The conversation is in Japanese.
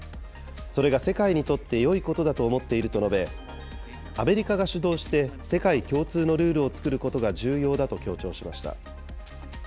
それが世界にとってよいことだと思っていると述べ、アメリカが主導して世界共通のルールを作ることが重要だと強調しました。